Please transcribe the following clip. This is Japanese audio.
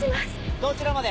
どちらまで？